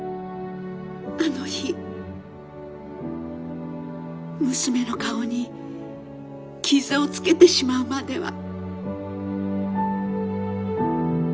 あの日娘の顔に傷をつけてしまうまでは」。